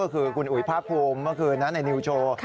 คือคุณอุ๋ยภาคภูมิเมื่อคืนนะในนิวโชว์